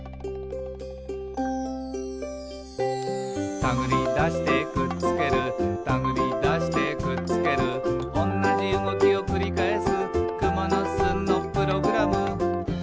「たぐりだしてくっつけるたぐりだしてくっつける」「おんなじうごきをくりかえす」